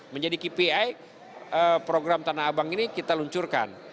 menjadi kpi program tanah abang ini kita luncurkan